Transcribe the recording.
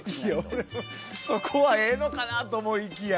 そこはええのかなと思いきや。